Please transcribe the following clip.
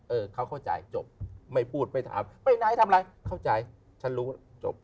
เออเขาเข้าใจจบไม่พูดไม่ถามไปไหนทำอะไรเข้าใจฉันรู้จบ